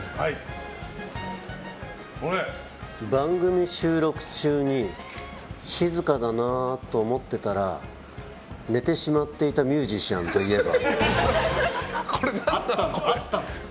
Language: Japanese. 番組収録中に静かだなと思っていたら寝てしまっていたミュージシャンといえば？